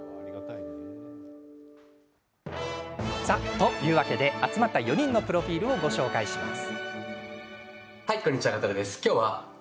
というわけで集まった４人のプロフィールをご紹介します。